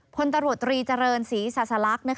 พนตรวจรีจรินศรีสาสลัก